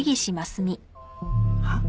はっ？